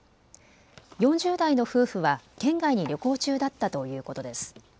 ４０代の夫婦は県外に旅行中だったということです。